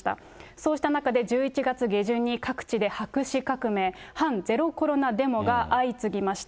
そうした中で１１月下旬に各地で白紙革命、反ゼロコロナデモが相次ぎました。